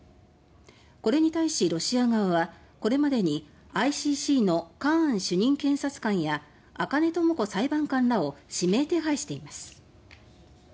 これに対しロシア側はこれまでにＩＣＣのカーン主任検察官や赤根智子裁判官らを指名手配しています。